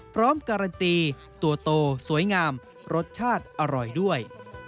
พร้อมการันตีตัวโตสวยงามรสชาติอร่อยด้วย